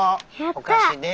お菓子です。